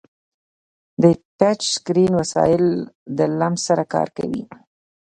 د ټچ اسکرین وسایل د لمس سره کار کوي.